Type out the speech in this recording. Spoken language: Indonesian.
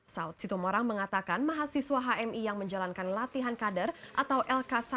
saud situmorang mengatakan mahasiswa hmi yang menjalankan latihan kader atau lk satu